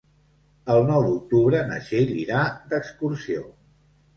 El nou d'octubre na Txell irà d'excursió.